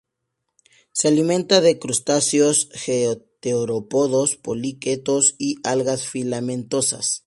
Se alimenta de crustáceos, gasterópodos, poliquetos y algas filamentosas.